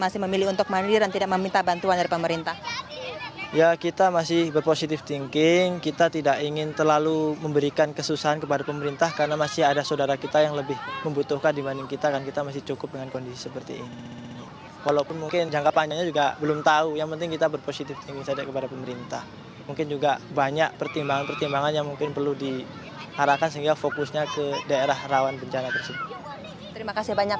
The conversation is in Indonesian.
sedangkan memang secara garis besarnya bantuan ini memang belum diketahui